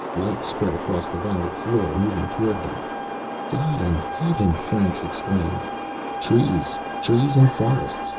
Light spread across the valley floor, moving toward them. "God in heaven!" Franks exclaimed. Trees, trees and forests.